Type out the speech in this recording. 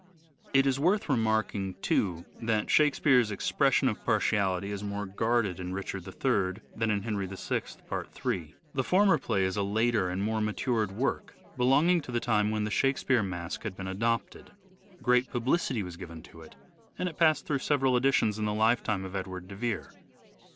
It is worth remarking, too, that Shakespeare's expres sion of partiality is more guarded in " Richard III " than in " Henry VI," part 3. The former play is a later and more matured work, belonging to the time when the Shakespeare mask had been adopted. Great publicity was given to it, and it passed through several editions in the lifetime of Edward de Vere.